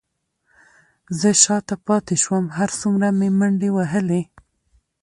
زه شاته پاتې شوم، هر څومره مې منډې وهلې،